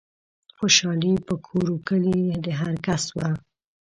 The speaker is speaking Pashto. خوشحالي په کور و کلي د هرکس وه